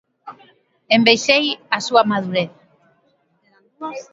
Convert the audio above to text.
Envexei a súa madurez.